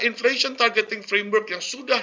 infration targeting framework yang sudah